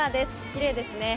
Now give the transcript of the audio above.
きれいですね。